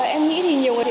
em nghĩ thì nhiều người